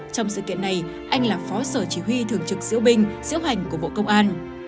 trong sự kiện này anh là phó sở chỉ huy thường trực diễu binh diễu hành của bộ công an